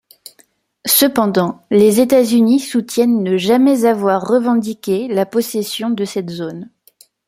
Cependant, les États-Unis soutiennent ne jamais avoir revendiqué la possession de cette zone.